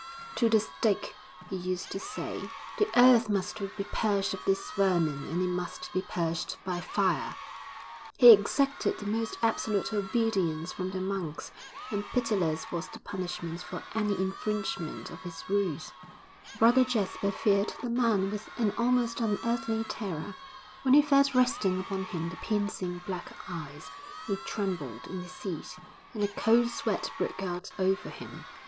'To the stake!' he used to say. 'The earth must be purged of this vermin, and it must be purged by fire.' He exacted the most absolute obedience from the monks, and pitiless was the punishment for any infringement of his rules.... Brother Jasper feared the man with an almost unearthly terror; when he felt resting upon him the piercing black eyes, he trembled in his seat, and a cold sweat broke out over him.